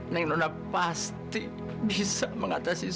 nek nona pasti bisa mengatasi